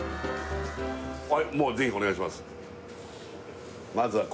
はいもう是非お願いします